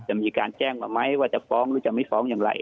จะมีการแจ้งมาไหมว่าจะฟ้องหรือจะไม่ฟ้องอย่างไร